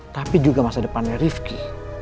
tapi juga masa depannya rifki